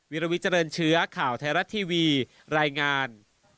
วิลวิเจริญเชื้อข่าวไทยรัฐทีวีรายงาน